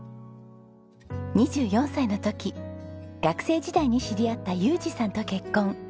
２４歳の時学生時代に知り合った裕次さんと結婚。